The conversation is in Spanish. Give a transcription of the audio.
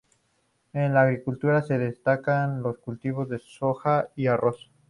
En la agricultura se destacan los cultivos de soja y arroz.